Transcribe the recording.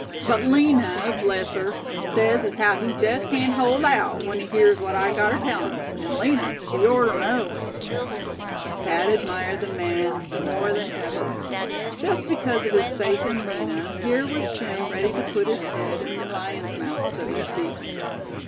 But Lina, bless her, sez as haow he jest cain't hold aout, when he hears what I gotter tell him; an' Lina, she orter know." Thad admired the man more than ever. Just because of his faith in Lina, here was Jim ready to put his head in the lion's mouth, so to speak.